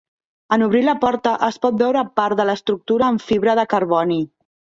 En obrir la porta, es pot veure part de l'estructura en fibra de carboni.